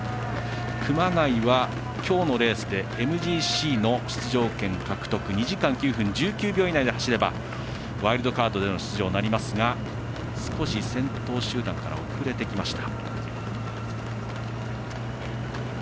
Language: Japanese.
熊谷は今日のレースでＭＧＣの出場権獲得２時間９分１９秒以内で走ればワイルドカードでの出場になりますが少し先頭集団から遅れてきました。